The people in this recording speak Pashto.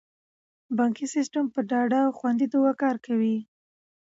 بانکي سیستم په ډاډه او خوندي توګه کار کوي.